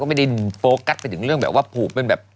ไม่ได้โฟกัสไปถึงเรื่องแบบว่าผูกเป็นแบบ